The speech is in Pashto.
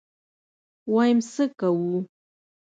ويم څه کوو.